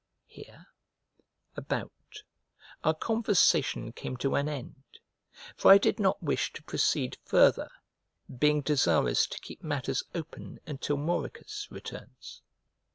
Here, about, our conversation came to an end, for I did not wish to proceed further, being desirous to keep matters open until Mauricus returns.